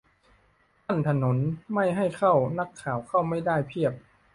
กั้นถนนไม่ให้เข้า นักข่าวเข้าไม่ได้เพียบ !